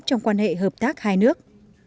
trong quan hệ hợp tác hai nước